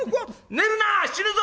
「寝るな死ぬぞ！」。